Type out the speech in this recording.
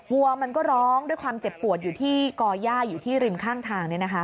วัวมันก็ร้องด้วยความเจ็บปวดอยู่ที่ก่อย่าอยู่ที่ริมข้างทาง